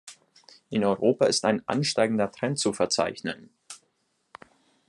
In Europa ist ein ansteigender Trend zu verzeichnen.